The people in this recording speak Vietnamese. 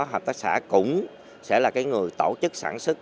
hợp tác xã cũng sẽ là cái người tổ chức sản xuất